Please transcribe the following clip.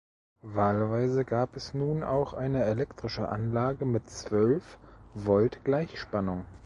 Wahlweise gab es nun auch eine elektrische Anlage mit zwölf Volt Gleichspannung.